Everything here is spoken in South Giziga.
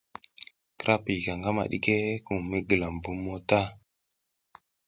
Kira piyika ngama ɗikey kum mi gilam bommo ta.